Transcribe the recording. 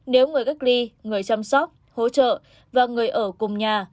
nếu người cách ly người chăm sóc hỗ trợ và người ở cùng nhà